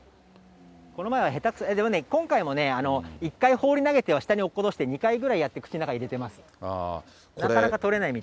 この前は、でもね、今回もね、１回放り投げては、２回ぐらいやって、口の中に入れてます。